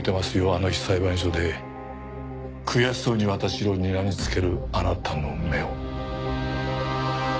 あの日裁判所で悔しそうに私をにらみつけるあなたの目を。